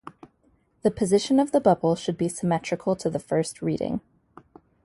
The position of the bubble should then be symmetrical to the first reading.